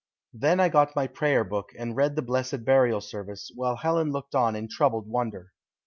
Then I got my prayer book and read the blessed burial service, while Helen looked on in troubled wonder.